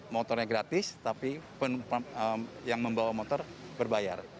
motornya gratis tapi yang membawa motor berbayar